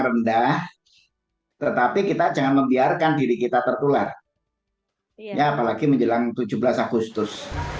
rendah tetapi kita jangan membiarkan diri kita tertular ya apalagi menjelang tujuh belas agustus